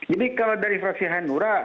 jadi kalau dari fraksi hanura